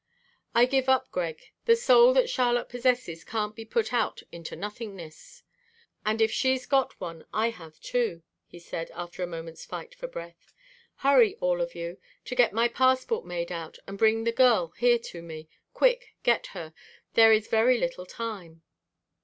"I give up, Greg; the soul that Charlotte possesses can't be put out into nothingness; and if she's got one I have too," he said, after a moment's fight for breath. "Hurry, all of you, to get my passport made out and bring the girl here to me. Quick, get her. There is very little time."